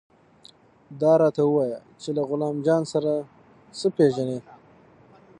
دا راته ووايه چې له غلام جان سره څه پېژنې.